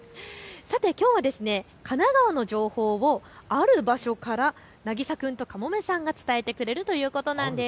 きょうは神奈川の情報をある場所からなぎさ君とカモメさんが伝えてくれるということなんです。